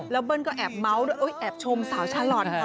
เบิ้ลก็แอบเมาส์ด้วยแอบชมสาวชาลอนค่ะ